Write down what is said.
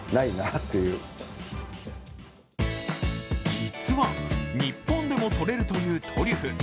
実は、日本でも採れるというトリュフ。